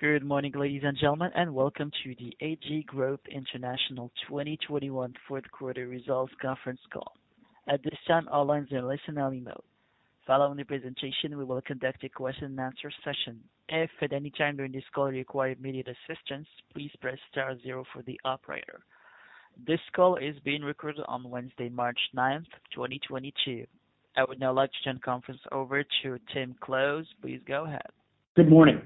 Good morning, ladies and gentlemen, and welcome to the Ag Growth International 2021 fourth quarter results conference call. At this time, all lines are in listen-only mode. Following the presentation, we will conduct a question and answer session. If at any time during this call you require immediate assistance, please press star zero for the operator. This call is being recorded on Wednesday, March 9, 2022. I would now like to turn the conference over to Tim Close. Please go ahead. Good morning.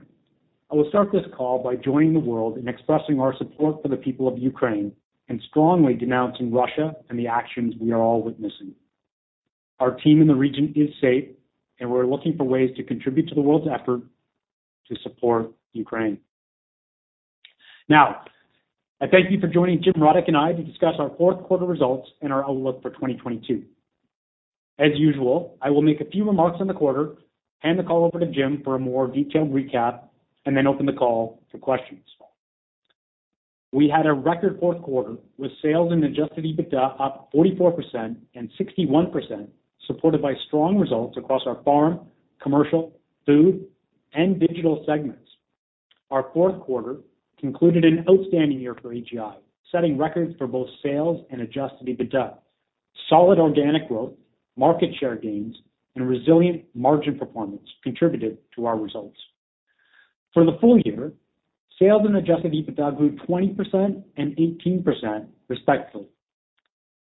I will start this call by joining the world in expressing our support for the people of Ukraine and strongly denouncing Russia and the actions we are all witnessing. Our team in the region is safe and we're looking for ways to contribute to the world's effort to support Ukraine. Now, I thank you for joining Jim Rudyk and I to discuss our fourth quarter results and our outlook for 2022. As usual, I will make a few remarks on the quarter, hand the call over to Jim for a more detailed recap, and then open the call to questions. We had a record fourth quarter with sales and adjusted EBITDA up 44% and 61%, supported by strong results across our farm, commercial, food, and digital segments. Our fourth quarter concluded an outstanding year for AGI, setting records for both sales and adjusted EBITDA. Solid organic growth, market share gains, and resilient margin performance contributed to our results. For the full year, sales and adjusted EBITDA grew 20% and 18% respectively.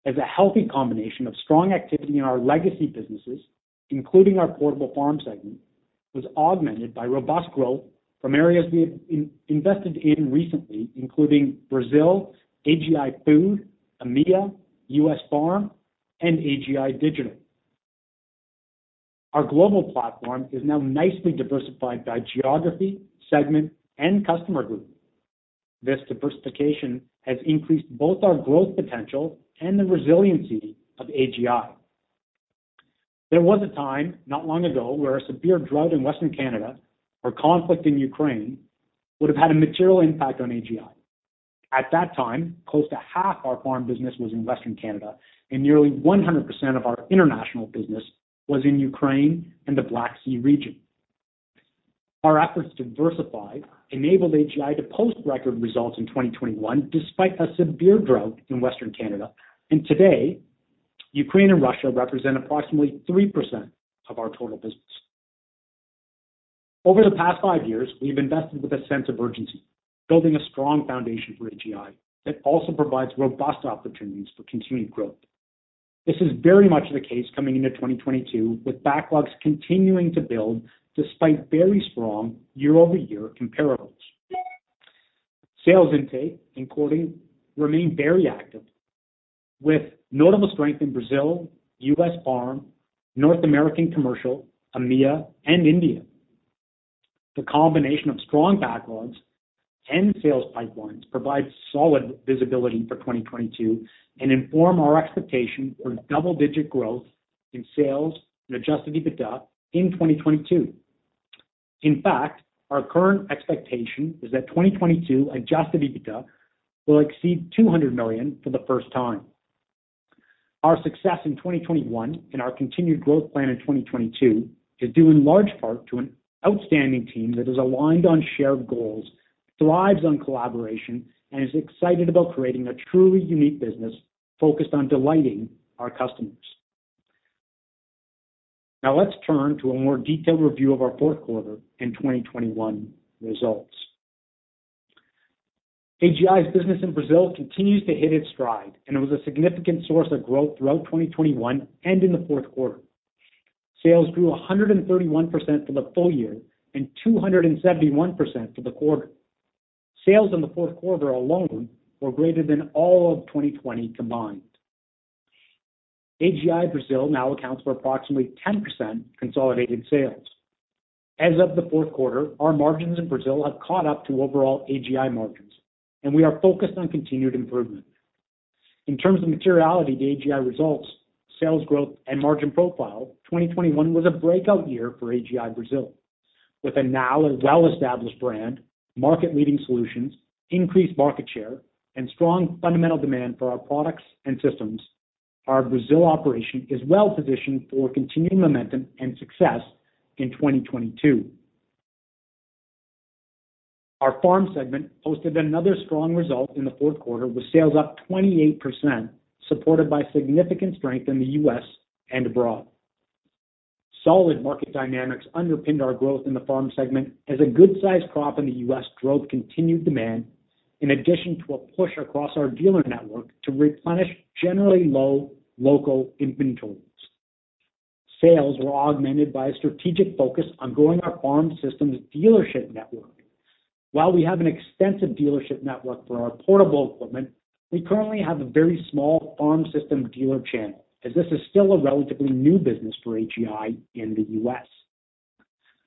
A healthy combination of strong activity in our legacy businesses, including our portable farm segment, was augmented by robust growth from areas we have invested in recently, including Brazil, AGI Food, EMEA, U.S. Farm, and AGI Digital. Our global platform is now nicely diversified by geography, segment, and customer group. This diversification has increased both our growth potential and the resiliency of AGI. There was a time not long ago when a severe drought in Western Canada or conflict in Ukraine would have had a material impact on AGI. At that time, close to half our farm business was in Western Canada, and nearly 100% of our international business was in Ukraine and the Black Sea region. Our efforts to diversify enabled AGI to post record results in 2021 despite a severe drought in Western Canada. Today, Ukraine and Russia represent approximately 3% of our total business. Over the past 5 years, we've invested with a sense of urgency, building a strong foundation for AGI that also provides robust opportunities for continued growth. This is very much the case coming into 2022, with backlogs continuing to build despite very strong year-over-year comparables. Sales intake and quoting remain very active with notable strength in Brazil, US Farm, North American Commercial, EMEA, and India. The combination of strong backlogs and sales pipelines provide solid visibility for 2022 and inform our expectation for double-digit growth in sales and adjusted EBITDA in 2022. In fact, our current expectation is that 2022 adjusted EBITDA will exceed 200 million for the first time. Our success in 2021 and our continued growth plan in 2022 is due in large part to an outstanding team that is aligned on shared goals, thrives on collaboration, and is excited about creating a truly unique business focused on delighting our customers. Now let's turn to a more detailed review of our fourth quarter in 2021 results. AGI's business in Brazil continues to hit its stride and it was a significant source of growth throughout 2021 and in the fourth quarter. Sales grew 131% for the full year and 271% for the quarter. Sales in the fourth quarter alone were greater than all of 2020 combined. AGI Brazil now accounts for approximately 10% consolidated sales. As of the fourth quarter, our margins in Brazil have caught up to overall AGI margins, and we are focused on continued improvement. In terms of materiality to AGI results, sales growth and margin profile, 2021 was a breakout year for AGI Brazil. With now a well-established brand, market-leading solutions, increased market share, and strong fundamental demand for our products and systems, our Brazil operation is well positioned for continued momentum and success in 2022. Our farm segment posted another strong result in the fourth quarter with sales up 28%, supported by significant strength in the U.S. and abroad. Solid market dynamics underpinned our growth in the farm segment as a good-sized crop in the U.S. drove continued demand in addition to a push across our dealer network to replenish generally low local inventories. Sales were augmented by a strategic focus on growing our farm systems dealership network. While we have an extensive dealership network for our portable equipment, we currently have a very small farm system dealer channel as this is still a relatively new business for AGI in the U.S.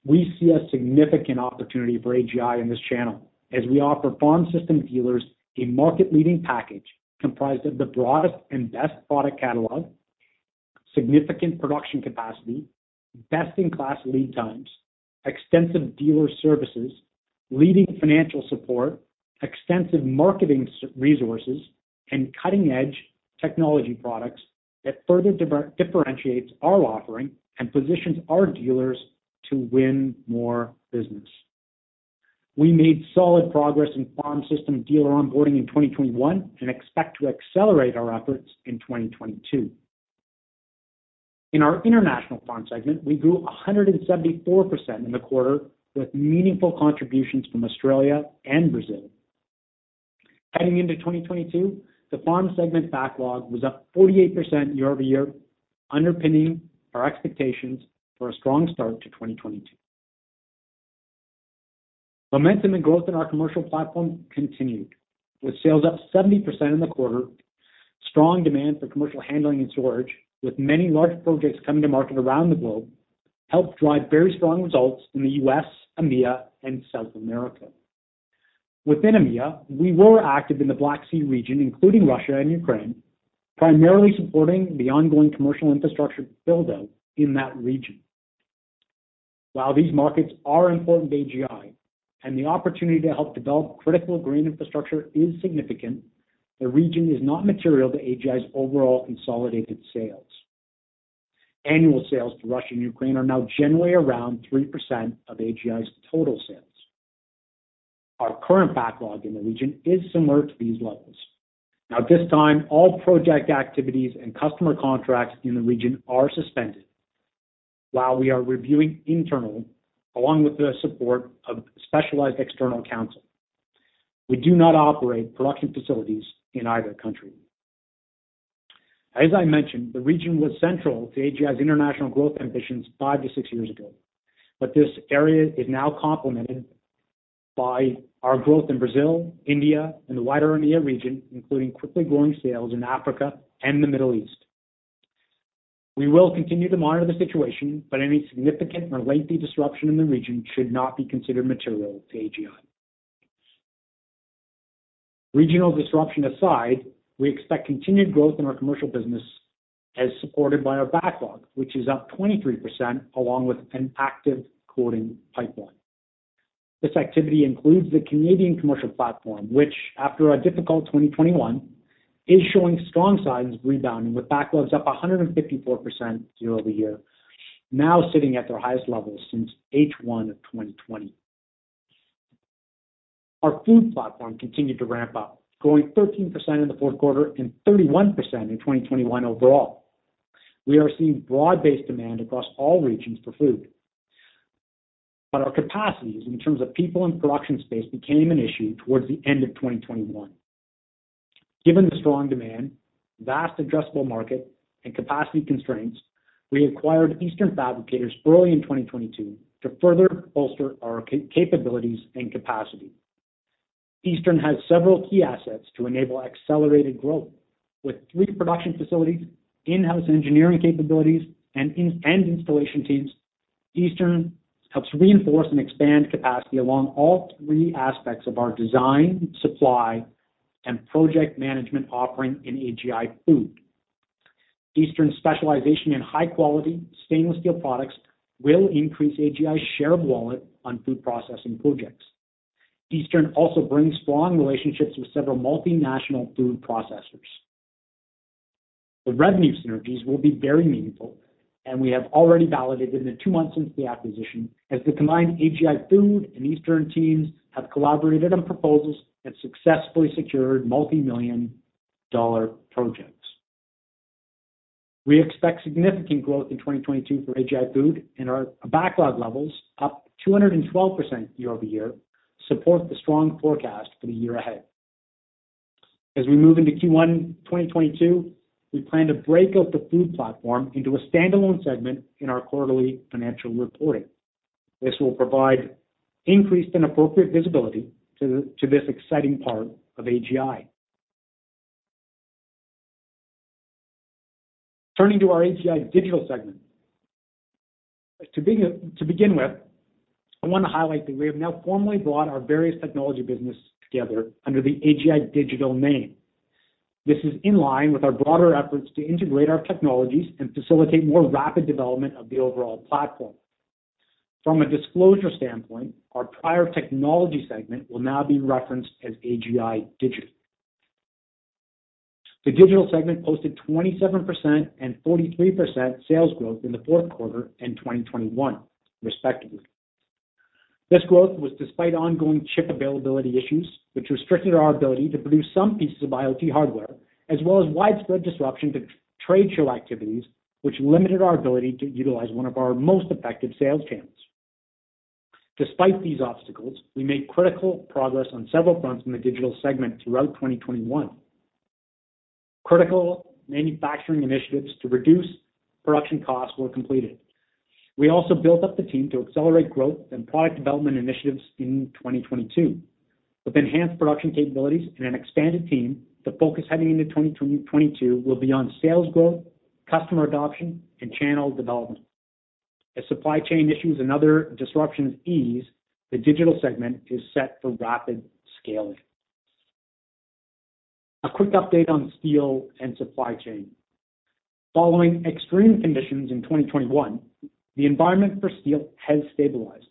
We see a significant opportunity for AGI in this channel as we offer farm system dealers a market-leading package comprised of the broadest and best product catalog, significant production capacity, best-in-class lead times, extensive dealer services, leading financial support, extensive marketing resources, and cutting-edge technology products. That further differentiates our offering and positions our dealers to win more business. We made solid progress in farm system dealer onboarding in 2021 and expect to accelerate our efforts in 2022. In our international farm segment, we grew 174% in the quarter, with meaningful contributions from Australia and Brazil. Heading into 2022, the farm segment backlog was up 48% year-over-year, underpinning our expectations for a strong start to 2022. Momentum and growth in our commercial platform continued, with sales up 70% in the quarter. Strong demand for commercial handling and storage, with many large projects coming to market around the globe, helped drive very strong results in the U.S., EMEA, and South America. Within EMEA, we were active in the Black Sea region, including Russia and Ukraine, primarily supporting the ongoing commercial infrastructure build-out in that region. While these markets are important to AGI and the opportunity to help develop critical grain infrastructure is significant, the region is not material to AGI's overall consolidated sales. Annual sales to Russia and Ukraine are now generally around 3% of AGI's total sales. Our current backlog in the region is similar to these levels. At this time, all project activities and customer contracts in the region are suspended while we are reviewing internally, along with the support of specialized external counsel. We do not operate production facilities in either country. As I mentioned, the region was central to AGI's international growth ambitions 5-6 years ago. This area is now complemented by our growth in Brazil, India, and the wider EMEA region, including quickly growing sales in Africa and the Middle East. We will continue to monitor the situation, but any significant or lengthy disruption in the region should not be considered material to AGI. Regional disruption aside, we expect continued growth in our commercial business as supported by our backlog, which is up 23% along with an active quoting pipeline. This activity includes the Canadian commercial platform, which after a difficult 2021, is showing strong signs rebounding, with backlogs up 154% year-over-year, now sitting at their highest levels since H1 of 2020. Our food platform continued to ramp up, growing 13% in the fourth quarter and 31% in 2021 overall. We are seeing broad-based demand across all regions for food. Our capacities in terms of people and production space became an issue towards the end of 2021. Given the strong demand, vast addressable market and capacity constraints, we acquired Eastern Fabricators early in 2022 to further bolster our capabilities and capacity. Eastern has several key assets to enable accelerated growth. With three production facilities, in-house engineering capabilities and installation teams, Eastern helps reinforce and expand capacity along all three aspects of our design, supply, and project management offering in AGI Food. Eastern's specialization in high-quality stainless steel products will increase AGI's share of wallet on food processing projects. Eastern also brings strong relationships with several multinational food processors. The revenue synergies will be very meaningful, and we have already validated in the two months since the acquisition as the combined AGI Food and Eastern teams have collaborated on proposals and successfully secured multimillion-dollar projects. We expect significant growth in 2022 for AGI Food and our backlog levels up 212% year-over-year support the strong forecast for the year ahead. As we move into Q1 2022, we plan to break up the food platform into a standalone segment in our quarterly financial reporting. This will provide increased and appropriate visibility to this exciting part of AGI. Turning to our AGI Digital segment. To begin with, I want to highlight that we have now formally brought our various technology business together under the AGI Digital name. This is in line with our broader efforts to integrate our technologies and facilitate more rapid development of the overall platform. From a disclosure standpoint, our prior technology segment will now be referenced as AGI Digital. The digital segment posted 27% and 43% sales growth in the fourth quarter and 2021 respectively. This growth was despite ongoing chip availability issues, which restricted our ability to produce some pieces of IoT hardware, as well as widespread disruption to trade show activities, which limited our ability to utilize one of our most effective sales channels. Despite these obstacles, we made critical progress on several fronts in the digital segment throughout 2021. Critical manufacturing initiatives to reduce production costs were completed. We also built up the team to accelerate growth and product development initiatives in 2022. With enhanced production capabilities and an expanded team, the focus heading into 2022 will be on sales growth, customer adoption, and channel development. As supply chain issues and other disruptions ease, the digital segment is set for rapid scaling. A quick update on steel and supply chain. Following extreme conditions in 2021, the environment for steel has stabilized.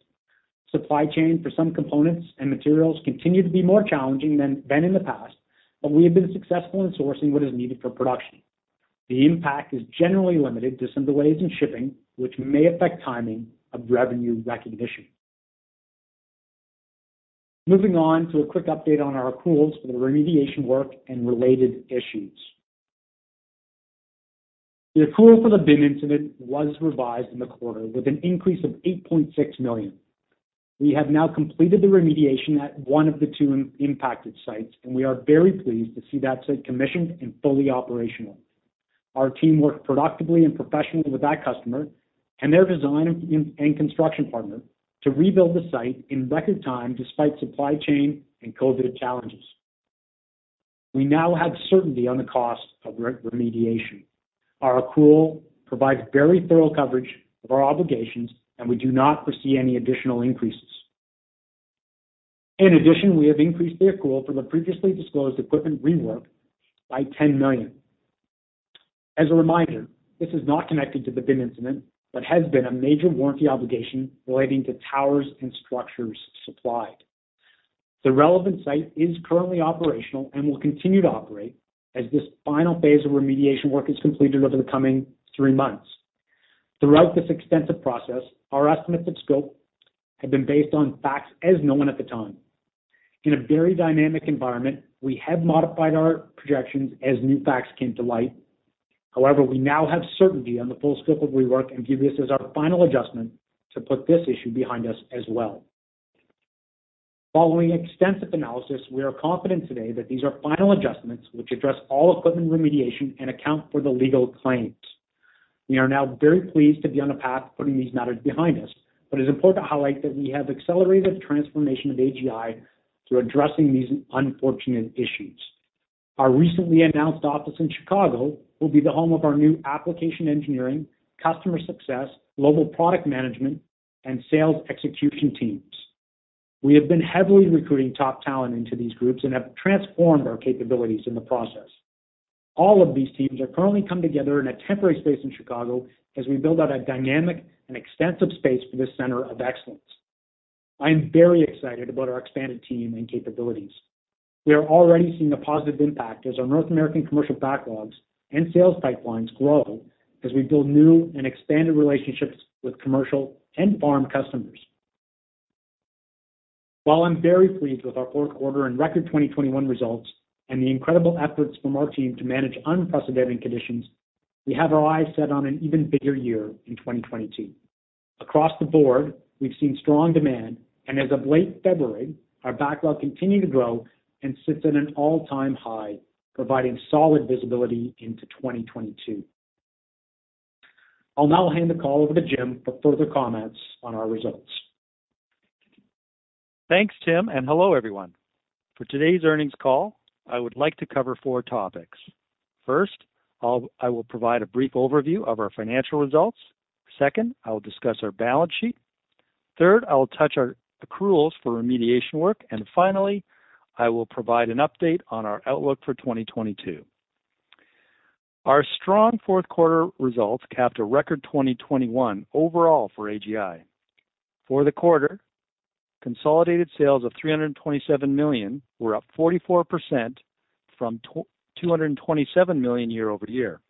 Supply chain for some components and materials continue to be more challenging than in the past, but we have been successful in sourcing what is needed for production. The impact is generally limited to some delays in shipping, which may affect timing of revenue recognition. Moving on to a quick update on our accruals for the remediation work and related issues. The accrual for the bin incident was revised in the quarter with an increase of 8.6 million. We have now completed the remediation at one of the two impacted sites, and we are very pleased to see that site commissioned and fully operational. Our team worked productively and professionally with that customer and their design and construction partner to rebuild the site in record time despite supply chain and COVID challenges. We now have certainty on the cost of re-remediation. Our accrual provides very thorough coverage of our obligations, and we do not foresee any additional increases. In addition, we have increased the accrual for the previously disclosed equipment rework by 10 million. As a reminder, this is not connected to the bin incident, but has been a major warranty obligation relating to towers and structures supplied. The relevant site is currently operational and will continue to operate as this final phase of remediation work is completed over the coming three months. Throughout this extensive process, our estimates of scope have been based on facts as known at the time. In a very dynamic environment, we have modified our projections as new facts came to light. However, we now have certainty on the full scope of rework and view this as our final adjustment to put this issue behind us as well. Following extensive analysis, we are confident today that these are final adjustments which address all equipment remediation and account for the legal claims. We are now very pleased to be on a path to putting these matters behind us, but it's important to highlight that we have accelerated the transformation of AGI through addressing these unfortunate issues. Our recently announced office in Chicago will be the home of our new application engineering, customer success, global product management, and sales execution teams. We have been heavily recruiting top talent into these groups and have transformed our capabilities in the process. All of these teams are currently coming together in a temporary space in Chicago as we build out a dynamic and extensive space for this center of excellence. I am very excited about our expanded team and capabilities. We are already seeing a positive impact as our North American commercial backlogs and sales pipelines grow as we build new and expanded relationships with commercial and farm customers. While I'm very pleased with our fourth quarter and record 2021 results and the incredible efforts from our team to manage unprecedented conditions, we have our eyes set on an even bigger year in 2022. Across the board, we've seen strong demand. As of late February, our backlog continued to grow and sits at an all-time high, providing solid visibility into 2022. I'll now hand the call over to Jim for further comments on our results. Thanks, Tim, and hello, everyone. For today's earnings call, I would like to cover four topics. First, I will provide a brief overview of our financial results. Second, I will discuss our balance sheet. Third, I will touch on our accruals for remediation work. Finally, I will provide an update on our outlook for 2022. Our strong fourth quarter results capped a record 2021 overall for AGI. For the quarter, consolidated sales of 327 million were up 44% from 227 million year-over-year.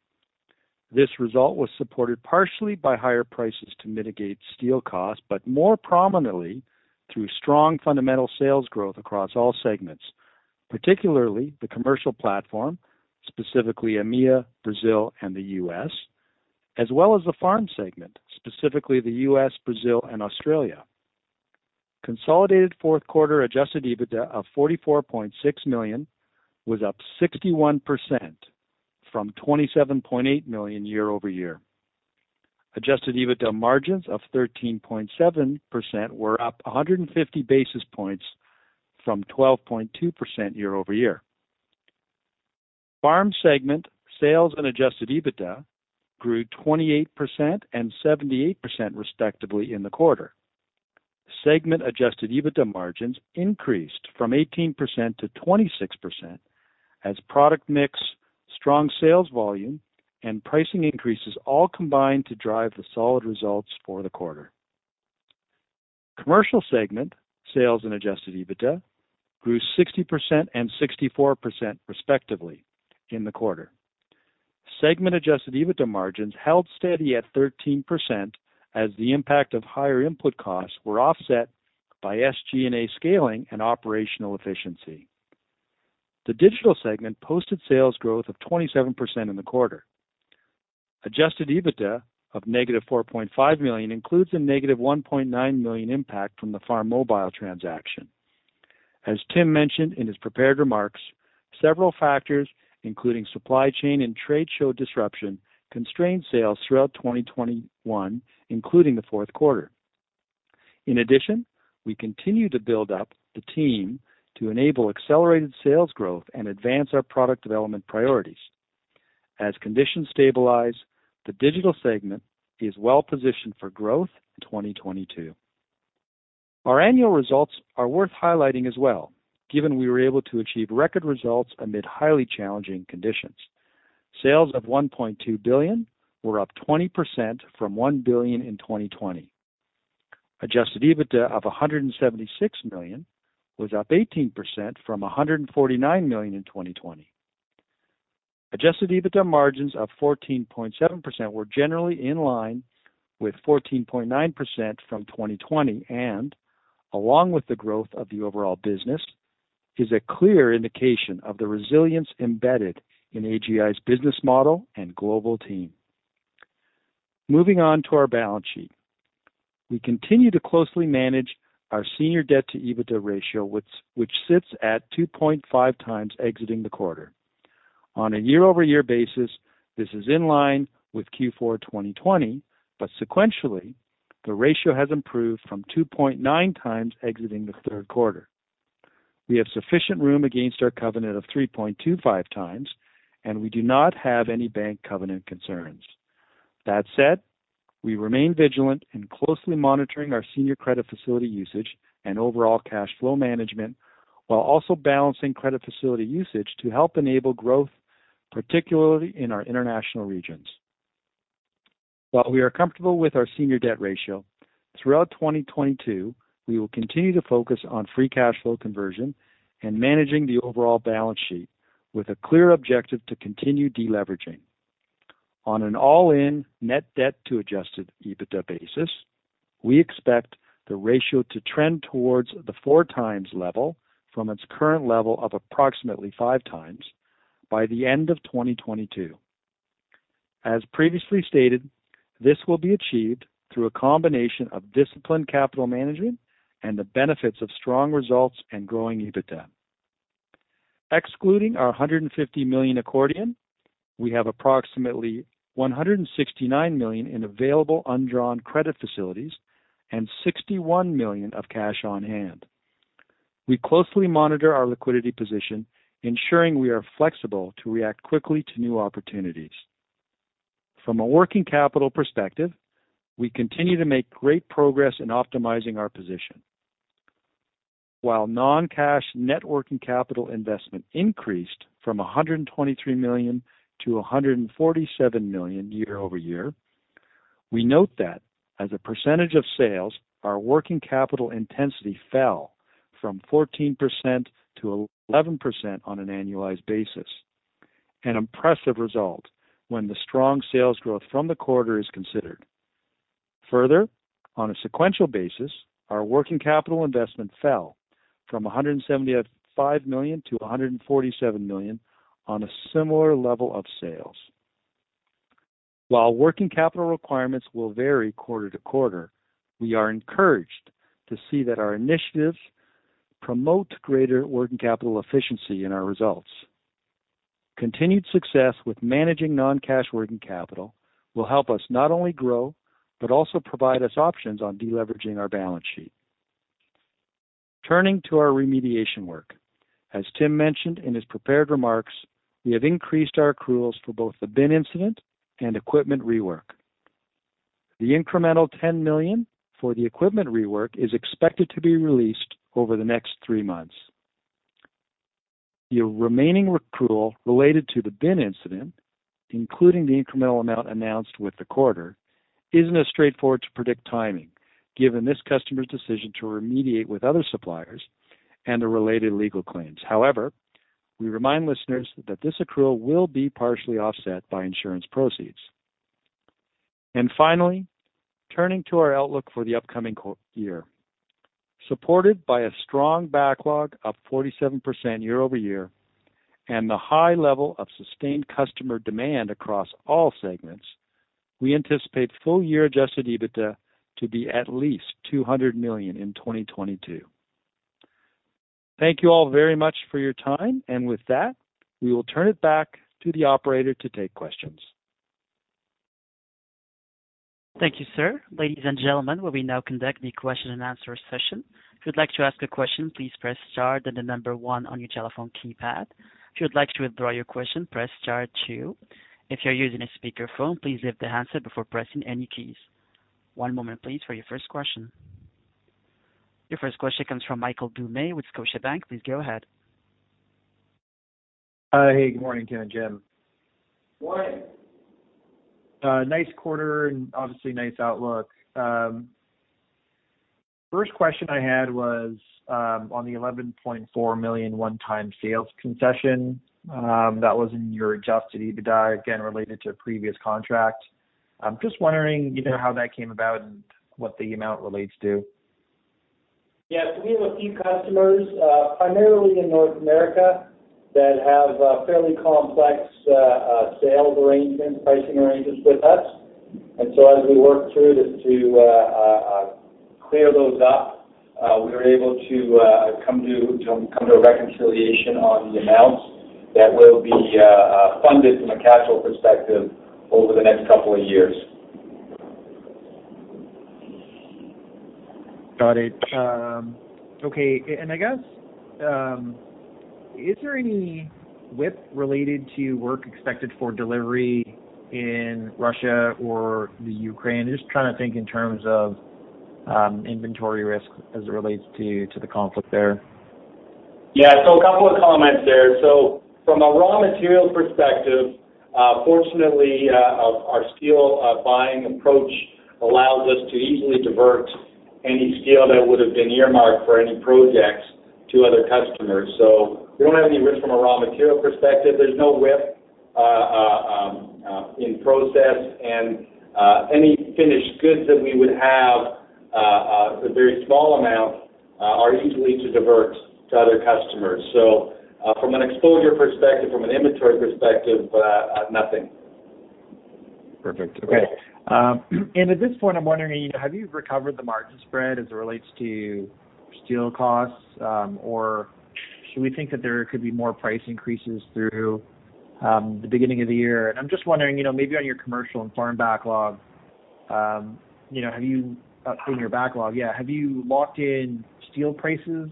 This result was supported partially by higher prices to mitigate steel costs, but more prominently through strong fundamental sales growth across all segments, particularly the Commercial platform, specifically EMEA, Brazil, and the U.S., as well as the Farm segment, specifically the U.S., Brazil, and Australia. Consolidated fourth quarter adjusted EBITDA of 44.6 million was up 61% from 27.8 million year-over-year. Adjusted EBITDA margins of 13.7% were up 150 basis points from 12.2% year-over-year. Farm segment sales and adjusted EBITDA grew 28% and 78%, respectively, in the quarter. Segment adjusted EBITDA margins increased from 18%-26% as product mix, strong sales volume, and pricing increases all combined to drive the solid results for the quarter. Commercial segment sales and adjusted EBITDA grew 60% and 64%, respectively, in the quarter. Segment adjusted EBITDA margins held steady at 13% as the impact of higher input costs were offset by SG&A scaling and operational efficiency. The digital segment posted sales growth of 27% in the quarter. Adjusted EBITDA of -4.5 million includes a -1.9 million impact from the Farmobile transaction. Tim mentioned in his prepared remarks, several factors, including supply chain and trade show disruption, constrained sales throughout 2021, including the fourth quarter. In addition, we continue to build up the team to enable accelerated sales growth and advance our product development priorities. As conditions stabilize, the digital segment is well positioned for growth in 2022. Our annual results are worth highlighting as well, given we were able to achieve record results amid highly challenging conditions. Sales of 1.2 billion were up 20% from 1 billion in 2020. Adjusted EBITDA of 176 million was up 18% from 149 million in 2020. Adjusted EBITDA margins of 14.7% were generally in line with 14.9% from 2020 and along with the growth of the overall business is a clear indication of the resilience embedded in AGI's business model and global team. Moving on to our balance sheet. We continue to closely manage our senior debt to EBITDA ratio, which sits at 2.5x exiting the quarter. On a year-over-year basis, this is in line with Q4 2020, but sequentially, the ratio has improved from 2.9x exiting the third quarter. We have sufficient room against our covenant of 3.25x, and we do not have any bank covenant concerns. That said, we remain vigilant in closely monitoring our senior credit facility usage and overall cash flow management while also balancing credit facility usage to help enable growth, particularly in our international regions. While we are comfortable with our senior debt ratio, throughout 2022, we will continue to focus on free cash flow conversion and managing the overall balance sheet with a clear objective to continue deleveraging. On an all-in net debt to adjusted EBITDA basis, we expect the ratio to trend towards the 4x level from its current level of approximately 5x by the end of 2022. As previously stated, this will be achieved through a combination of disciplined capital management and the benefits of strong results and growing EBITDA. Excluding our 150 million accordion, we have approximately 169 million in available undrawn credit facilities and 61 million of cash on hand. We closely monitor our liquidity position, ensuring we are flexible to react quickly to new opportunities. From a working capital perspective, we continue to make great progress in optimizing our position. While non-cash net working capital investment increased from 123 million to 147 million year-over-year, we note that as a percentage of sales, our working capital intensity fell from 14% to 11% on an annualized basis, an impressive result when the strong sales growth from the quarter is considered. Further, on a sequential basis, our working capital investment fell from 175 million to 147 million on a similar level of sales. While working capital requirements will vary quarter to quarter, we are encouraged to see that our initiatives promote greater working capital efficiency in our results. Continued success with managing non-cash working capital will help us not only grow, but also provide us options on deleveraging our balance sheet. Turning to our remediation work. As Tim mentioned in his prepared remarks, we have increased our accruals for both the bin incident and equipment rework. The incremental 10 million for the equipment rework is expected to be released over the next three months. The remaining accrual related to the bin incident, including the incremental amount announced with the quarter, isn't as straightforward to predict timing, given this customer's decision to remediate with other suppliers and the related legal claims. However, we remind listeners that this accrual will be partially offset by insurance proceeds. Finally, turning to our outlook for the upcoming year. Supported by a strong backlog of 47% year-over-year and the high level of sustained customer demand across all segments, we anticipate full year adjusted EBITDA to be at least 200 million in 2022. Thank you all very much for your time. With that, we will turn it back to the operator to take questions. Thank you, sir. Ladies and gentlemen, we will now conduct the question and answer session. One moment, please, for your first question. Your first question comes from Michael Doumet with Scotiabank. Please go ahead. Hey, good morning, Tim and Jim. Morning. Nice quarter and obviously nice outlook. First question I had was, on the 11.4 million one-time sales concession, that was in your adjusted EBITDA, again, related to a previous contract. I'm just wondering, how that came about and what the amount relates to. Yeah. We have a few customers, primarily in North America, that have fairly complex sales arrangements, pricing arrangements with us. As we work through to clear those up, we were able to come to a reconciliation on the amounts that will be funded from a cash flow perspective over the next couple of years. Got it. Okay. I guess, is there any WIP related to work expected for delivery in Russia or the Ukraine? Just trying to think in terms of inventory risk as it relates to the conflict there. Yeah. A couple of comments there. From a raw material perspective, fortunately, our steel buying approach allows us to easily divert any steel that would have been earmarked for any projects to other customers. We don't have any risk from a raw material perspective. There's no WIP in process. Any finished goods that we would have, a very small amount, are easy to divert to other customers. From an exposure perspective, from an inventory perspective, nothing. Perfect. Okay. Yeah. At this point, I'm wondering, you know, have you recovered the margin spread as it relates to steel costs? Or should we think that there could be more price increases through the beginning of the year? I'm just wondering, you know, maybe on your commercial and farm backlog, in your backlog, yeah, have you locked in steel prices?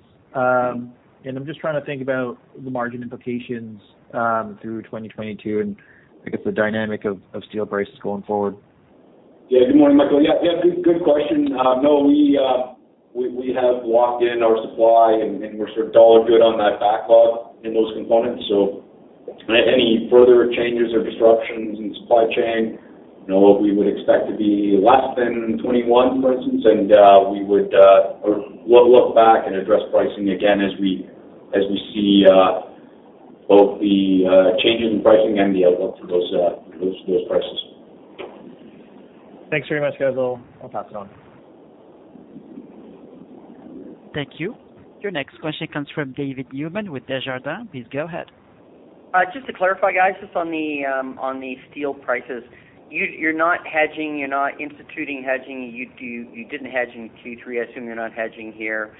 I'm just trying to think about the margin implications through 2022, and I guess the dynamic of steel prices going forward. Yeah. Good morning, Michael. Yeah. Good question. No, we have locked in our supply, and we're sort of dollar good on that backlog in those components. So any further changes or disruptions in supply chain, you know, we would expect to be less than in 2021, for instance. We would or we'll look back and address pricing again as we see both the changes in pricing and the outlook for those prices. Thanks very much, guys. I'll pass it on. Thank you. Your next question comes from David Newman with Desjardins. Please go ahead. Just to clarify, guys, just on the steel prices, you're not hedging, you're not instituting hedging. You didn't hedge in Q3. I assume you're not hedging here.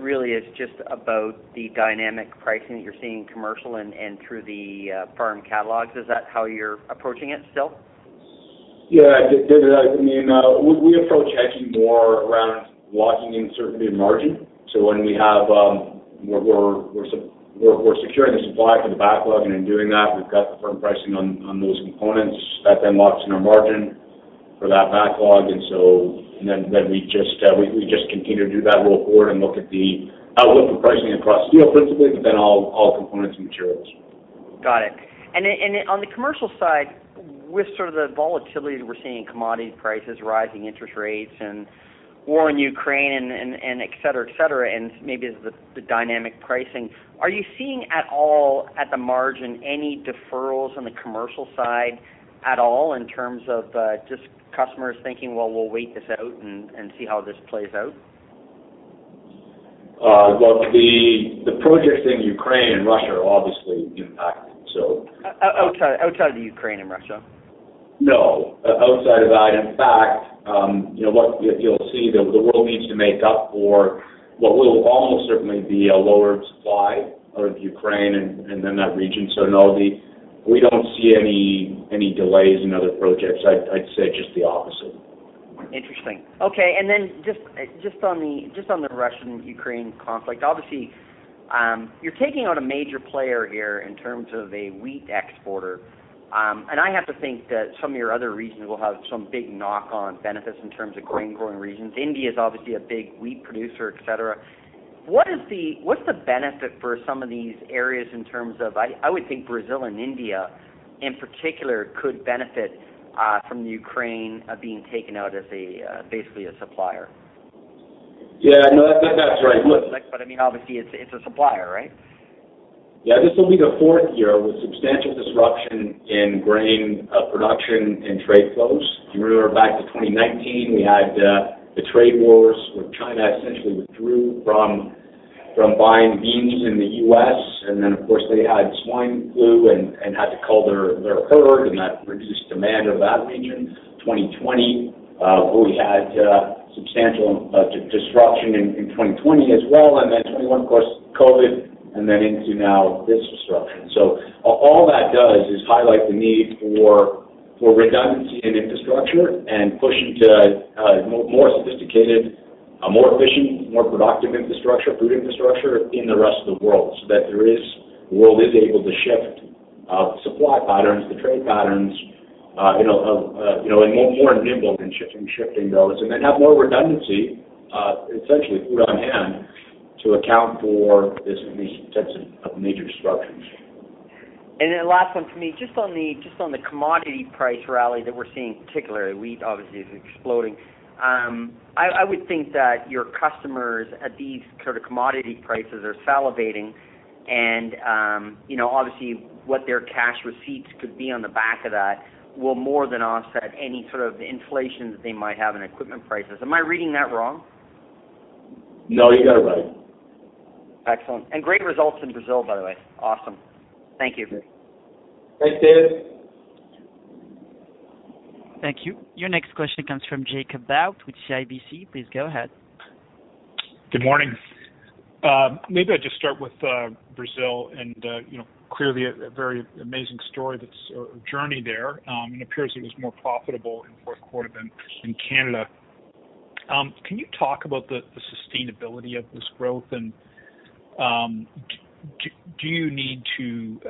Really it's just about the dynamic pricing that you're seeing in commercial and through the farm catalogs. Is that how you're approaching it still? David, I mean, we approach hedging more around locking in certainty of margin. When we have, we're securing the supply for the backlog, and in doing that, we've got the firm pricing on those components that then locks in our margin for that backlog. Then we just continue to do that roll forward and look at the outlook for pricing across steel principally but then all components and materials. Got it. Then on the commercial side, with sort of the volatility that we're seeing in commodity prices, rising interest rates and war in Ukraine and et cetera, and maybe as the dynamic pricing, are you seeing at all, at the margin, any deferrals on the commercial side at all in terms of just customers thinking, "Well, we'll wait this out and see how this plays out"? Look, the projects in Ukraine and Russia are obviously impacted, so Outside of Ukraine and Russia. No. Outside of that, in fact, you know what, you'll see the world needs to make up for what will almost certainly be a lower supply out of Ukraine and then that region. We don't see any delays in other projects. I'd say just the opposite. Interesting. Okay. Then just on the Russian-Ukraine conflict, obviously, you're taking out a major player here in terms of a wheat exporter. I have to think that some of your other regions will have some big knock-on benefits in terms of grain-growing regions. India is obviously a big wheat producer, et cetera. What's the benefit for some of these areas? I would think Brazil and India, in particular, could benefit from Ukraine being taken out as basically a supplier. Yeah. No, that's right. I mean, obviously it's a supplier, right? Yeah. This will be the fourth year with substantial disruption in grain production and trade flows. If you remember back to 2019, we had the trade wars where China essentially withdrew from buying beans in the U.S. Of course, they had swine flu and had to cull their herd, and that reduced demand of that region. In 2020, we had substantial disruption in 2020 as well. In 2021, of course, COVID, and then into now this disruption. All that does is highlight the need for redundancy in infrastructure and pushing to more sophisticated, a more efficient, more productive infrastructure, food infrastructure in the rest of the world so that there is. The world is able to shift supply patterns, the trade patterns, you know, and more nimble in shifting those and then have more redundancy, essentially food on hand to account for these types of major disruptions. Last one for me, just on the commodity price rally that we're seeing, particularly wheat obviously is exploding, I would think that your customers at these sort of commodity prices are salivating and, you know, obviously what their cash receipts could be on the back of that will more than offset any sort of inflation that they might have in equipment prices. Am I reading that wrong? No, you got it right. Excellent. Great results in Brazil, by the way. Awesome. Thank you. Thanks, Dave. Thank you. Your next question comes from Jacob Bout with CIBC. Please go ahead. Good morning. Maybe I'll just start with Brazil and you know clearly a very amazing story or journey there. It appears it was more profitable in fourth quarter than in Canada. Can you talk about the sustainability of this growth and do you need to?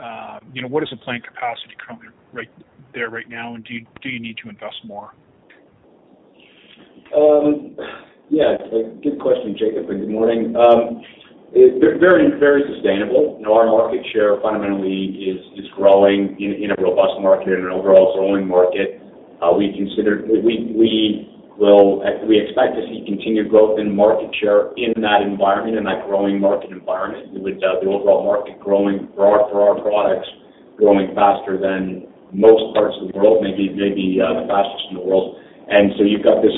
You know, what is the plant capacity currently right there right now, and do you need to invest more? Yeah, a good question, Jacob, and good morning. It's very, very sustainable. You know, our market share fundamentally is growing in a robust market, in an overall growing market. We expect to see continued growth in market share in that environment, in that growing market environment, with the overall market growing for our products, growing faster than most parts of the world, maybe the fastest in the world. You've got this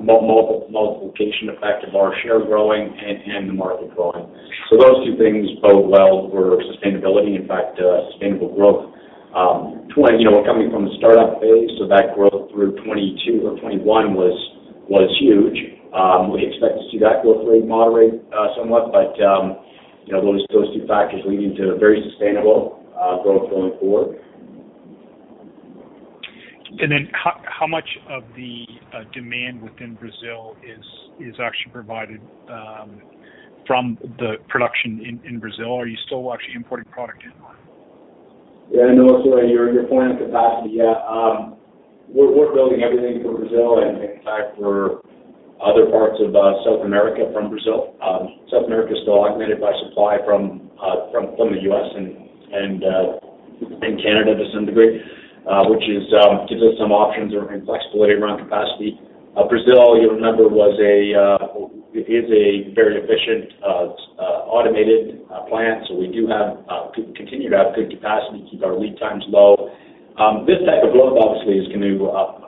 multiplication effect of our share growing and the market growing. Those two things bode well for sustainability, in fact, sustainable growth. You know, we're coming from the startup phase, so that growth through 2022 or 2021 was huge. We expect to see that growth rate moderate somewhat, but you know, those two factors leading to very sustainable growth going forward. How much of the demand within Brazil is actually provided from the production in Brazil? Are you still actually importing product in? You're planning capacity. We're building everything for Brazil, and in fact, for other parts of South America from Brazil. South America is still augmented by supply from the U.S. and Canada to some degree, which gives us some options around flexibility around capacity. Brazil, you'll remember, is a very efficient automated plant. We continue to have good capacity to keep our lead times low. This type of growth obviously is gonna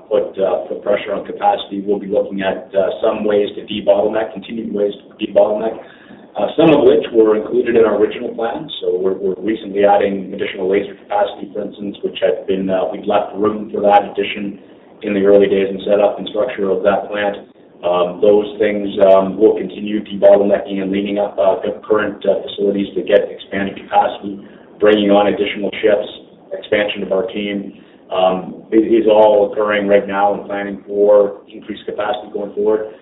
put pressure on capacity. We'll be looking at some ways to debottleneck, continuing ways to debottleneck, some of which were included in our original plan. We're recently adding additional laser capacity, for instance, which had been, we'd left room for that addition in the early days in setup and structure of that plant. Those things, we'll continue debottlenecking and cleaning up the current facilities to get expanded capacity, bringing on additional shifts, expansion of our team, is all occurring right now and planning for increased capacity going forward.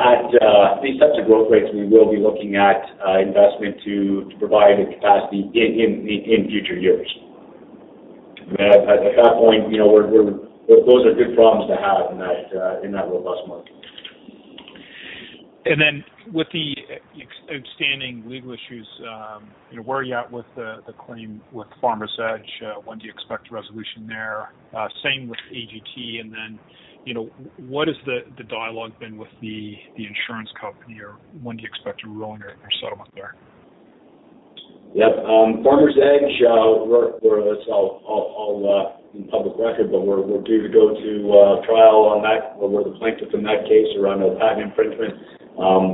At these types of growth rates, we will be looking at investment to provide the capacity in future years. I mean, at that point, you know, those are good problems to have in that robust market. With the ex-outstanding legal issues, you know, where are you at with the claim with Farmers Edge? When do you expect a resolution there? Same with AGT, and then, you know, what has the dialogue been with the insurance company or when do you expect a ruling or settlement there? Yep. Farmers Edge, it's all in public record, but we're due to go to trial on that. We're the plaintiffs in that case around a patent infringement.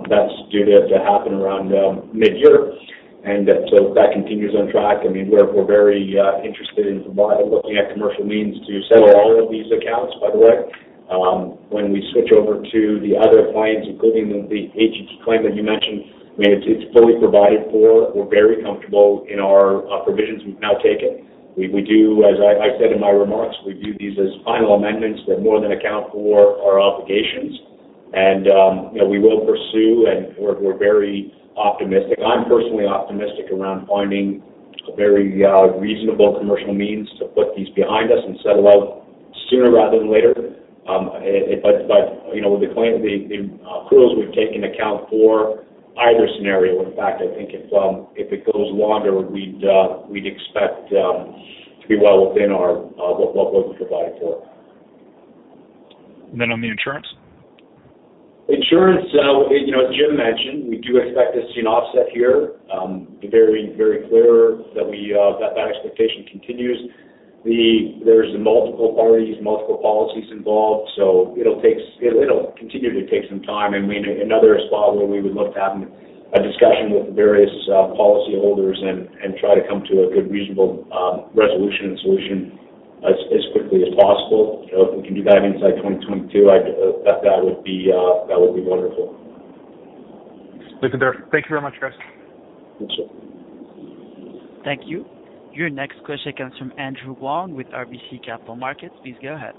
That's due to happen around mid-year. That continues on track. I mean, we're very interested in pursuing, looking at commercial means to settle all of these accounts, by the way. When we switch over to the other clients, including the AGT claim that you mentioned, I mean, it's fully provided for. We're very comfortable in our provisions we've now taken. We do, as I said in my remarks, we view these as final amendments that more than account for our obligations. You know, we will pursue, and we're very optimistic. I'm personally optimistic around finding very reasonable commercial means to put these behind us and settle out sooner rather than later. You know, with the claim, the accruals we've taken into account for either scenario. In fact, I think if it goes longer, we'd expect to be well within what we provided for. On the insurance? Insurance, you know, as Jim mentioned, we do expect to see an offset here. Very clear that that expectation continues. There's multiple parties, multiple policies involved, so it'll continue to take some time. Another spot where we would look to having a discussion with the various policyholders and try to come to a good, reasonable resolution and solution as quickly as possible. You know, if we can do that inside 2022, that would be wonderful. Looking there. Thank you very much, Close. Thank you. Thank you. Your next question comes from Andrew Wong with RBC Capital Markets. Please go ahead.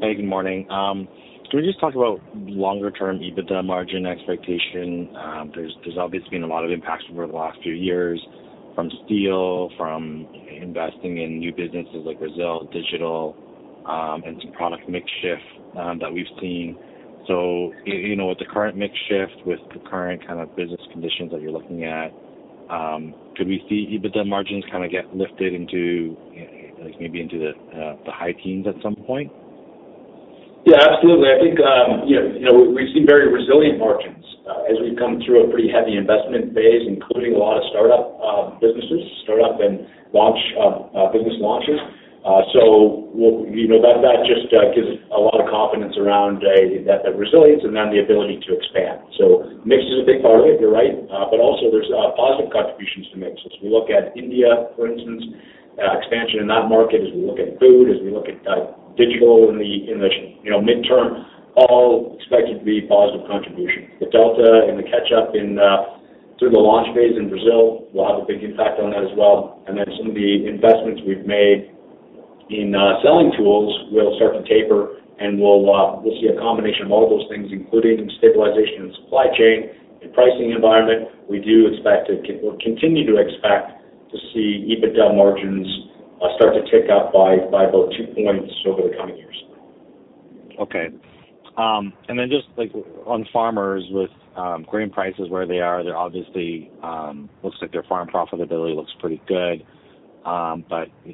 Hey, good morning. Can we just talk about longer-term EBITDA margin expectation? There's obviously been a lot of impacts over the last few years from steel, from investing in new businesses like Brazil, digital, and some product mix shift that we've seen. You know, with the current mix shift, with the current kind of business conditions that you're looking at, could we see EBITDA margins kinda get lifted into, like, maybe into the high teens at some point? Yeah, absolutely. I think, you know, we've seen very resilient margins as we've come through a pretty heavy investment phase, including a lot of startup businesses and launches. You know, that just gives a lot of confidence around that resilience and then the ability to expand. Mix is a big part of it, you're right. Also, there's positive contributions to mixes. We look at India, for instance, expansion in that market as we look at food, as we look at digital in the, you know, midterm, all expected to be positive contributions. The delta and the catch-up through the launch phase in Brazil will have a big impact on that as well. Some of the investments we've made in selling tools will start to taper, and we'll see a combination of all those things, including stabilization in supply chain and pricing environment. We'll continue to expect to see EBITDA margins start to tick up by about two points over the coming years. Okay. And then just like on farmers with grain prices where they are, they're obviously looks like their farm profitability looks pretty good.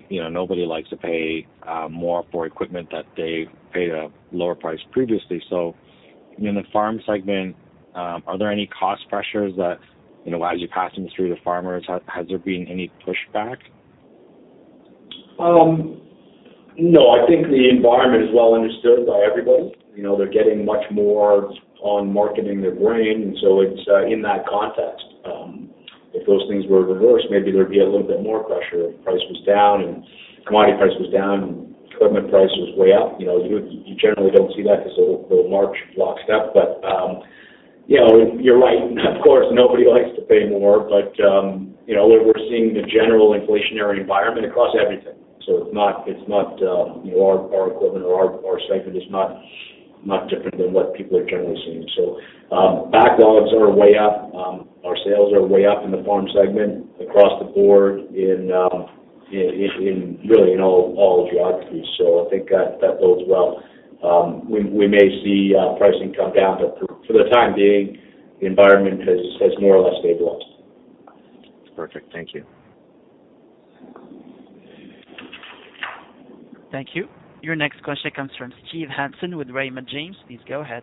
You know, nobody likes to pay more for equipment that they paid a lower price previously. In the farm segment, are there any cost pressures that, you know, as you're passing this through the farmers, has there been any pushback? No, I think the environment is well understood by everybody. You know, they're getting much more on marketing their grain, and so it's in that context. If those things were reversed, maybe there'd be a little bit more pressure if price was down and commodity price was down and equipment price was way up. You know, you generally don't see that because they're margins locked up. You know, you're right. Of course, nobody likes to pay more. You know, we're seeing the general inflationary environment across everything. So it's not, you know, our equipment or our segment is not different than what people are generally seeing. Backlogs are way up. Our sales are way up in the farm segment across the board in really all geographies. I think that bodes well. We may see pricing come down, but for the time being, the environment has more or less stabilized. Perfect. Thank you. Thank you. Your next question comes from Steve Hansen with Raymond James. Please go ahead.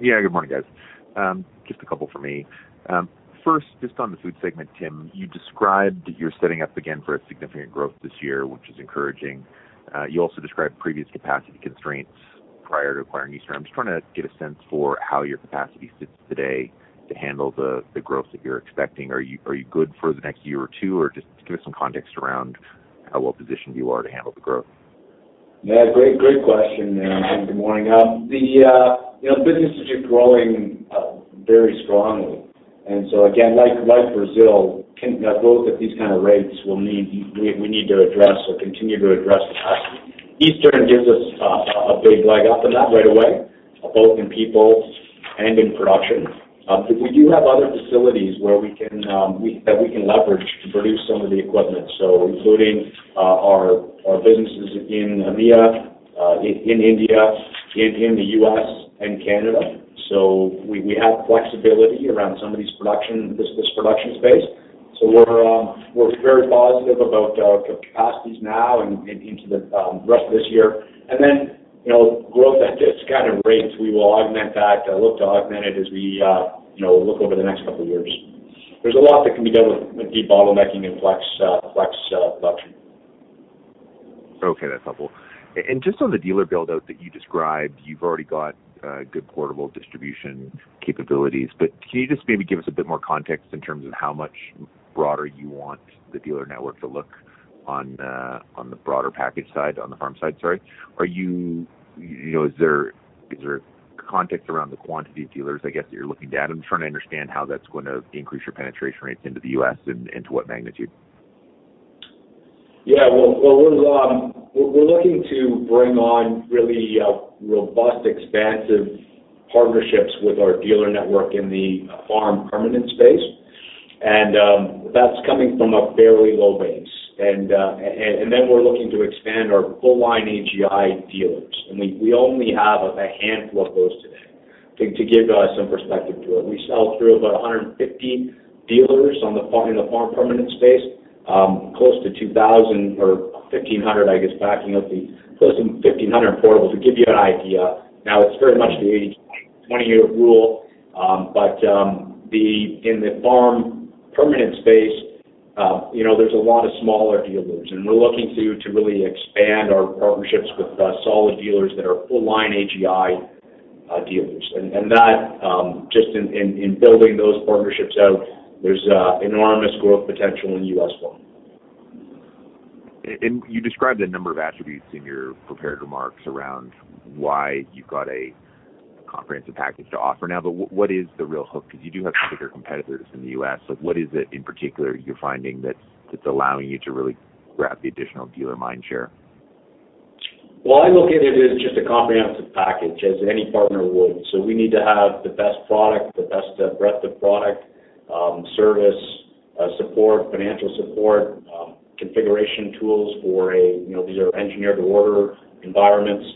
Yeah, good morning, guys. Just a couple from me. First, just on the food segment, Tim, you described that you're setting up again for a significant growth this year, which is encouraging. You also described previous capacity constraints prior to acquiring Eastern. I'm just trying to get a sense for how your capacity sits today to handle the growth that you're expecting. Are you good for the next year or two? Or just give us some context around how well positioned you are to handle the growth. Yeah, great question, and good morning. The, you know, businesses are growing very strongly. Again, like Brazil, growth at these kind of rates will need we need to address or continue to address capacity. Eastern gives us a big leg up in that right away, both in people and in production. We do have other facilities where we can that we can leverage to produce some of the equipment, so including our businesses in EMEA, in India, in the U.S. and Canada. We have flexibility around some of these production, this production space. We're very positive about capacities now and into the rest of this year. You know, growth at this kind of rates, we will augment that, look to augment it as we, you know, look over the next couple of years. There's a lot that can be done with debottlenecking and flex production. Okay, that's helpful. Just on the dealer build-out that you described, you've already got good portable distribution capabilities. Can you just maybe give us a bit more context in terms of how much broader you want the dealer network to look on the broader package side, on the farm side, sorry? Are you know, is there context around the quantity of dealers, I guess, that you're looking at? I'm trying to understand how that's going to increase your penetration rates into the U.S. and into what magnitude. Yeah. Well, we're looking to bring on really robust, expansive partnerships with our dealer network in the farm permanent space. That's coming from a fairly low base. Then we're looking to expand our full-line AGI dealers, and we only have a handful of those today. To give some perspective to it, we sell through about 150 dealers on the farm, in the farm permanent space, close to 2000 or 1500, I guess. Close to 1500 portables would give you an idea. Now, it's very much the 80/20 rule. In the farm permanent space, you know, there's a lot of smaller dealers, and we're looking to really expand our partnerships with solid dealers that are full-line AGI dealers. That just in building those partnerships out, there's enormous growth potential in U.S. farm. you described a number of attributes in your prepared remarks around why you've got a comprehensive package to offer now. What is the real hook? Because you do have bigger competitors in the U.S. Like, what is it in particular you're finding that's allowing you to really grab the additional dealer mindshare? Well, I look at it as just a comprehensive package as any partner would. We need to have the best product, the best breadth of product, service, support, financial support, configuration tools. You know, these are engineered to order environments.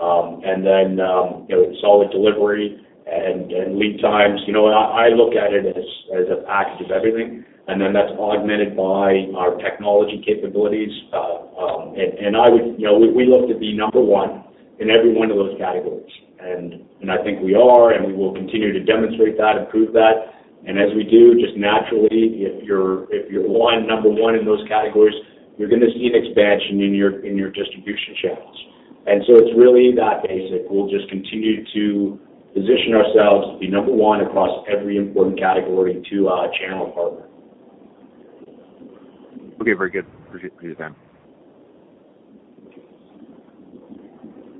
And then, you know, solid delivery and lead times. You know, I look at it as a package of everything, and then that's augmented by our technology capabilities. You know, we look to be number one in every one of those categories. I think we are, and we will continue to demonstrate that and prove that. As we do, just naturally, if you're one, number one in those categories, you're gonna see an expansion in your distribution channels. It's really that basic. We'll just continue to position ourselves to be number one across every important category to our channel partner. Okay. Very good. Appreciate the time.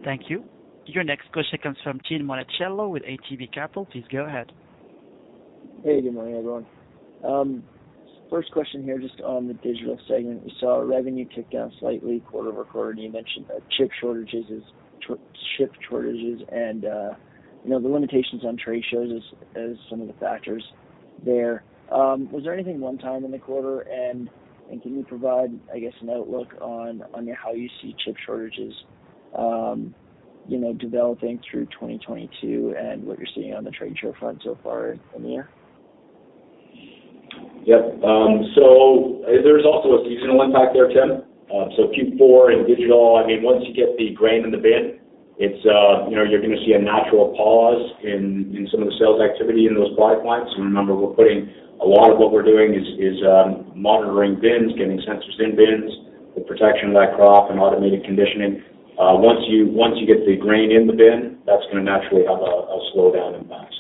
Thank you. Your next question comes from Tim Monachello with ATB Capital. Please go ahead. Hey, good morning, everyone. First question here, just on the digital segment. We saw revenue tick down slightly quarter-over-quarter, and you mentioned chip shortages and you know, the limitations on trade shows as some of the factors there. Was there anything one-time in the quarter and can you provide, I guess, an outlook on how you see chip shortages you know, developing through 2022 and what you're seeing on the trade show front so far in the year? Yep. There's also a seasonal impact there, Tim. Q4 and digital, I mean, once you get the grain in the bin, it's you know, you're gonna see a natural pause in some of the sales activity in those pipelines. Remember, a lot of what we're doing is monitoring bins, getting sensors in bins, the protection of that crop, and automated conditioning. Once you get the grain in the bin, that's gonna naturally have a slowdown impact.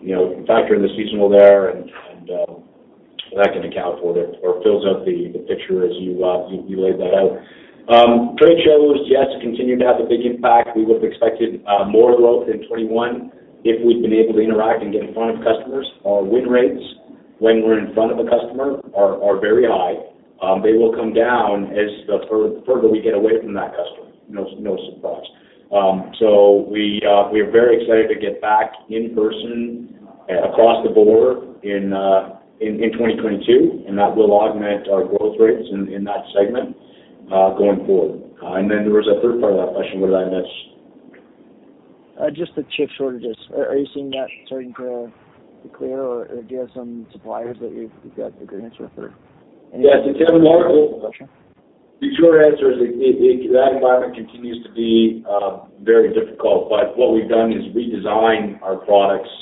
You know, factor in the seasonal there and that can account for the or fills out the picture as you laid that out. Trade shows, yes, continue to have a big impact. We would have expected more growth in 2021 if we'd been able to interact and get in front of customers. Our win rates when we're in front of a customer are very high. They will come down as the further we get away from that customer. No surprise. We're very excited to get back in person across the board in 2022, and that will augment our growth rates in that segment going forward. There was a third part of that question. What did I miss? Just the chip shortages. Are you seeing that starting to clear or do you have some suppliers that you've got agreements with or anything? Yeah. The short answer is that environment continues to be very difficult. What we've done is redesign our products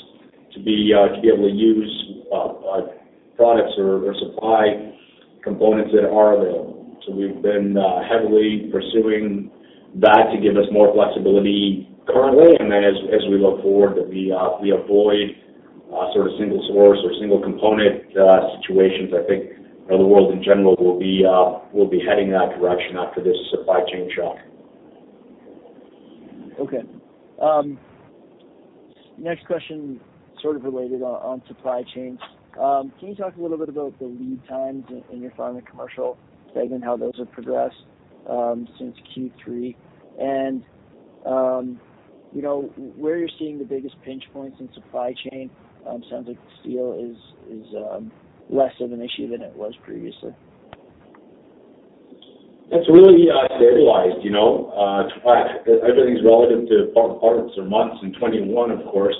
to be able to use products or supply components that are available. We've been heavily pursuing that to give us more flexibility currently. Then as we look forward, we avoid sort of single source or single component situations. I think the world in general will be heading in that direction after this supply chain shock. Okay. Next question sort of related on supply chains. Can you talk a little bit about the lead times in your Farm and Commercial segment, how those have progressed since Q3? You know, where you're seeing the biggest pinch points in supply chain? Sounds like steel is less of an issue than it was previously. It's really stabilized, you know. Everything's relative to past quarters or months in 2021, of course.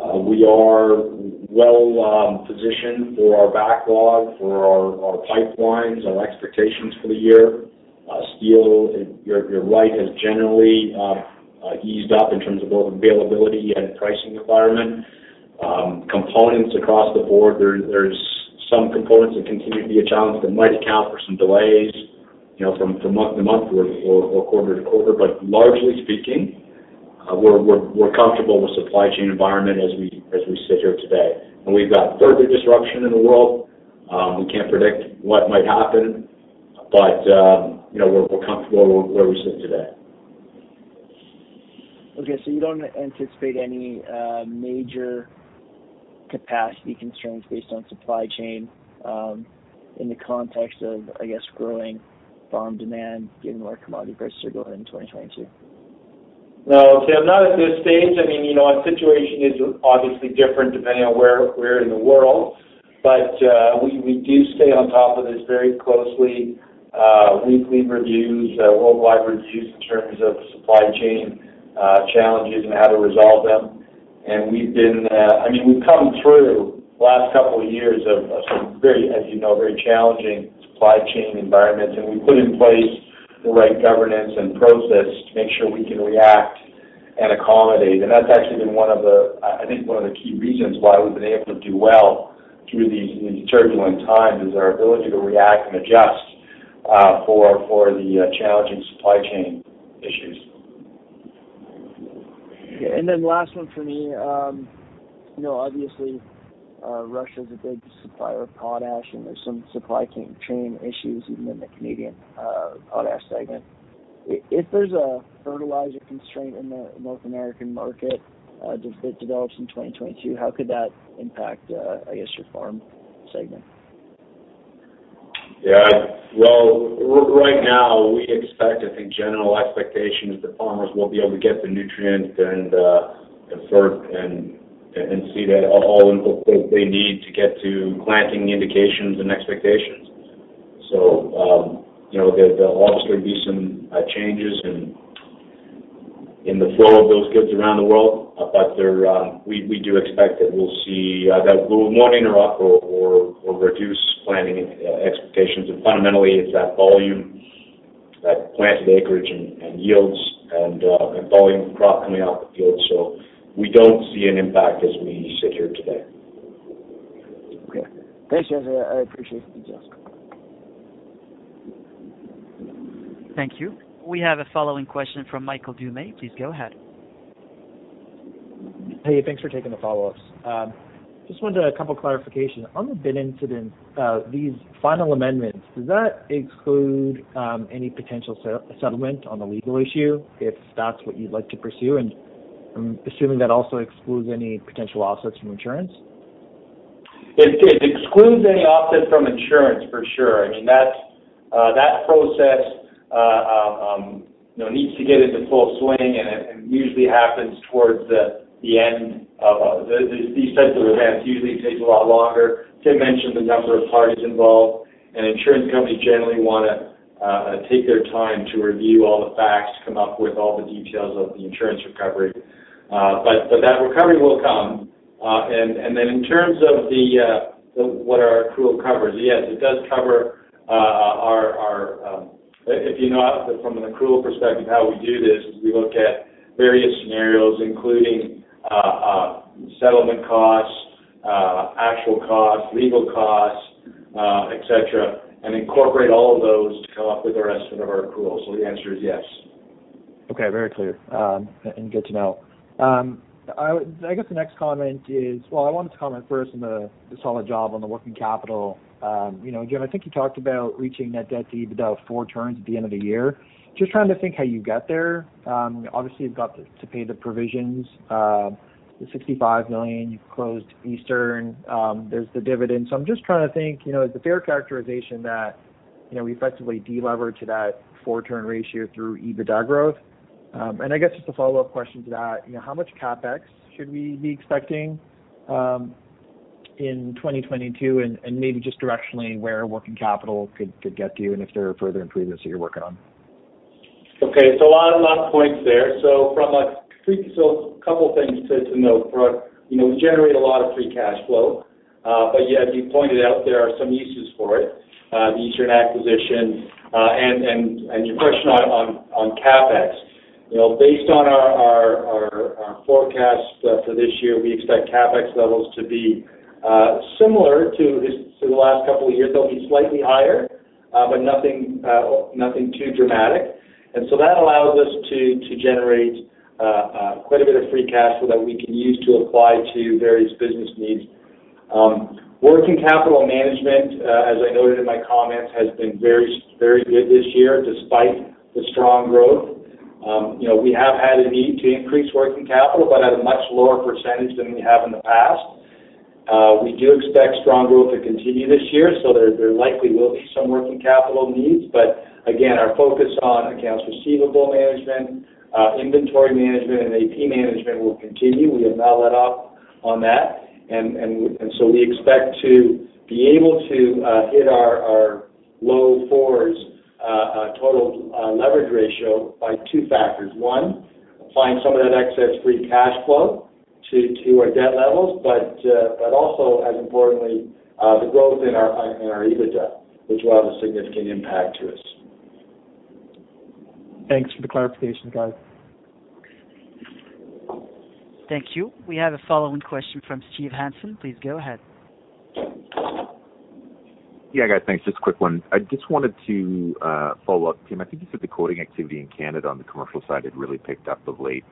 We are well positioned for our backlog, for our pipelines, our expectations for the year. Steel, you're right, has generally eased up in terms of both availability and pricing environment. Components across the board, there's some components that continue to be a challenge that might account for some delays, you know, from month to month or quarter to quarter. Largely speaking, we're comfortable with supply chain environment as we sit here today. We've got further disruption in the world. We can't predict what might happen, but you know, we're comfortable where we sit today. Okay. You don't anticipate any major capacity concerns based on supply chain in the context of, I guess, growing farm demand given where commodity prices are going in 2022? No, Tim, not at this stage. I mean, you know, our situation is obviously different depending on where in the world. We do stay on top of this very closely, weekly reviews, worldwide reviews in terms of supply chain challenges and how to resolve them. I mean, we've come through the last couple of years of some very, as you know, very challenging supply chain environments. We put in place the right governance and process to make sure we can react and accommodate. That's actually been one of the, I think, key reasons why we've been able to do well through these turbulent times, is our ability to react and adjust for the challenging supply chain issues. Yeah. Then last one for me. You know, obviously, Russia is a big supplier of potash, and there's some supply chain issues even in the Canadian potash segment. If there's a fertilizer constraint in the North American market that develops in 2022, how could that impact, I guess your Farm segment? Yeah. Well, right now we expect. I think general expectation is that farmers will be able to get the nutrients and fertilizer and seed all the things they need to get to planting indications and expectations. You know, there obviously will be some changes in the flow of those goods around the world. We do expect that we'll see that it will not interrupt or reduce planting expectations. Fundamentally, it's that volume, that planted acreage and yields and volume of crop coming off the field. We don't see an impact as we sit here today. Okay. Thanks, gentleman. I appreciate the details. Thank you. We have a following question from Michael Doumet. Please go ahead. Hey, thanks for taking the follow-ups. Just wanted a couple clarification. On the bin incident, these final amendments, does that exclude any potential settlement on the legal issue if that's what you'd like to pursue? I'm assuming that also excludes any potential offsets from insurance. It excludes any offset from insurance for sure. I mean, that's that process you know needs to get into full swing, and it usually happens towards the end of these types of events usually takes a lot longer, not to mention the number of parties involved, and insurance companies generally wanna take their time to review all the facts, come up with all the details of the insurance recovery. That recovery will come. Then in terms of what our accrual covers, yes, it does cover our. You know from an accrual perspective how we do this is we look at various scenarios, including settlement costs, actual costs, legal costs, et cetera, and incorporate all of those to come up with the rest of our accrual. The answer is yes. Okay, very clear and good to know. I wanted to comment first on the solid job on the working capital. You know, Jim, I think you talked about reaching net debt to EBITDA four turns at the end of the year. Just trying to think how you get there. Obviously, you've got to pay the provisions, the 65 million. You've closed Eastern. There's the dividend. I'm just trying to think, you know, is the fair characterization that, you know, we effectively de-levered to that four turn ratio through EBITDA growth? I guess just a follow-up question to that, you know, how much CapEx should we be expecting in 2022? Maybe just directionally, where working capital could get to you and if there are further improvements that you're working on. Okay. A lot of points there. A couple things to note. You know, we generate a lot of free cash flow. But yeah, as you pointed out, there are some uses for it, the Eastern acquisition. And your question on CapEx. You know, based on our forecast for this year, we expect CapEx levels to be similar to the last couple of years. They'll be slightly higher, but nothing too dramatic. That allows us to generate quite a bit of free cash flow that we can use to apply to various business needs. Working capital management, as I noted in my comments, has been very good this year, despite the strong growth. You know, we have had a need to increase working capital but at a much lower percentage than we have in the past. We do expect strong growth to continue this year, so there likely will be some working capital needs. Again, our focus on accounts receivable management, inventory management and AP management will continue. We have not let up on that. We expect to be able to hit our low fours total leverage ratio by two factors. One, applying some of that excess free cash flow to our debt levels, but also as importantly, the growth in our EBITDA, which will have a significant impact to us. Thanks for the clarification, guys. Thank you. We have the following question from Steve Hansen. Please go ahead. Yeah, guys. Thanks. Just a quick one. I just wanted to follow up. Tim, I think you said the quoting activity in Canada on the commercial side had really picked up of late.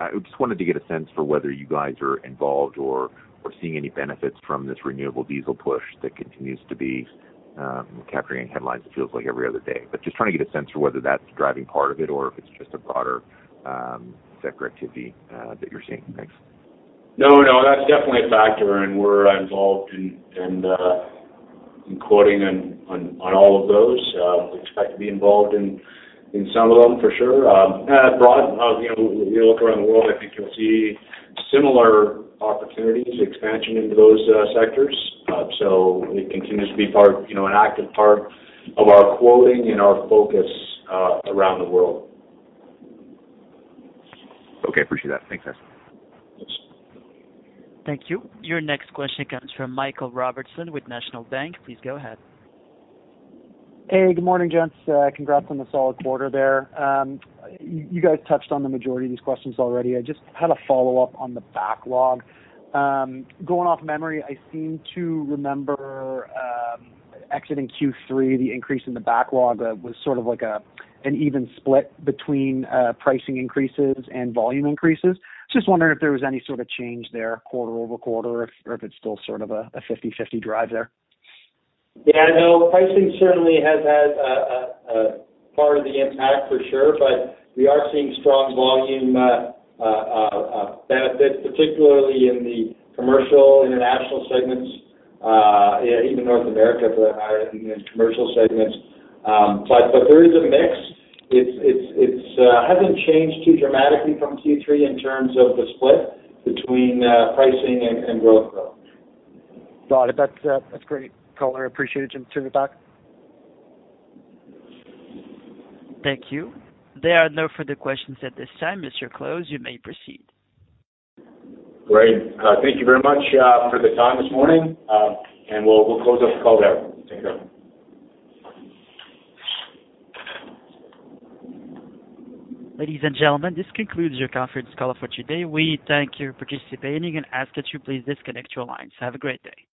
I just wanted to get a sense for whether you guys are involved or seeing any benefits from this renewable diesel push that continues to be capturing headlines it feels like every other day. Just trying to get a sense for whether that's driving part of it or if it's just a broader sector activity that you're seeing. Thanks. No, no, that's definitely a factor, and we're involved in quoting on all of those. We expect to be involved in some of them for sure. Broadly, you know, you look around the world. I think you'll see similar opportunities, expansion into those sectors. It continues to be part, you know, an active part of our quoting and our focus around the world. Okay. Appreciate that. Thanks, guys. Thank you. Your next question comes from Michael Robertson with National Bank. Please go ahead. Hey, good morning, gents. Congrats on the solid quarter there. You guys touched on the majority of these questions already. I just had a follow-up on the backlog. Going off memory, I seem to remember exiting Q3, the increase in the backlog was sort of like an even split between pricing increases and volume increases. Just wondering if there was any sort of change there quarter-over-quarter or if it's still sort of a 50/50 drive there. Yeah, no. Pricing certainly has had a part of the impact for sure. We are seeing strong volume benefit, particularly in the commercial international segments, even North America for the higher in the commercial segments. There is a mix. It hasn't changed too dramatically from Q3 in terms of the split between pricing and growth, though. Got it. That's great color. Appreciate it, and turn it back. Thank you. There are no further questions at this time. Mr. Close, you may proceed. Great. Thank you very much for the time this morning. We'll close this call there. Take care. Ladies and gentlemen, this concludes your conference call for today. We thank you for participating and ask that you please disconnect your lines. Have a great day.